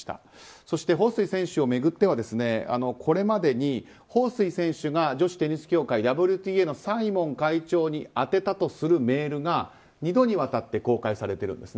そしてホウ・スイ選手を巡ってはこれまでにホウ・スイ選手が女子テニス協会・ＷＴＡのサイモン会長に宛てたとするメールが二度にわたって公開されているんです。